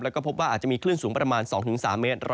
แล้วก็พบว่าอาจจะมีคลื่นสูงประมาณ๒๓เมตร